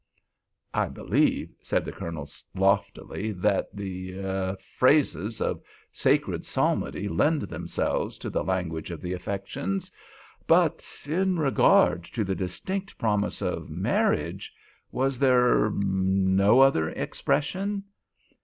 "I believe," said the Colonel, loftily, "that the—er—phrases of sacred psalmody lend themselves to the language of the affections. But in regard to the distinct promise of marriage—was there—er—no other expression?"